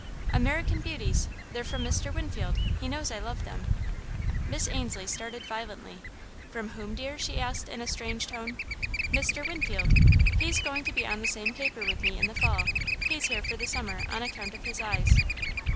"American Beauties they're from Mr. Winfield. He knows I love them." Miss Ainslie started violently. "From whom, dear?" she asked, in a strange tone. "Mr. Winfield he's going to be on the same paper with me in the Fall. He's here for the Summer, on account of his eyes."